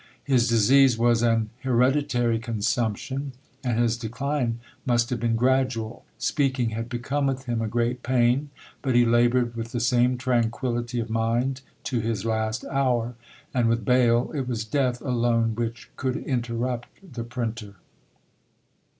His disease was an hereditary consumption, and his decline must have been gradual; speaking had become with him a great pain, but he laboured with the same tranquillity of mind to his last hour; and, with Bayle, it was death alone which, could interrupt the printer.